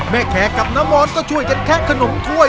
แขกกับน้ำมอนก็ช่วยกันแคะขนมถ้วย